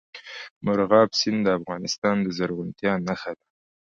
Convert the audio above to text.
مورغاب سیند د افغانستان د زرغونتیا نښه ده.